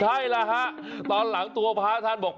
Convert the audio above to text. ใช่แล้วฮะตอนหลังตัวพระท่านบอก